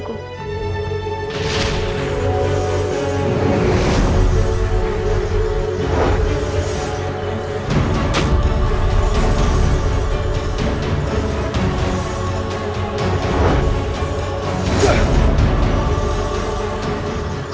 aku tidak bisa mencari tanda lahir di lenganku